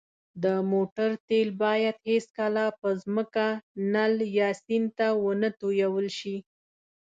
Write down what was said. د موټر تېل باید هېڅکله په ځمکه، نل، یا سیند ته ونهتوېل ش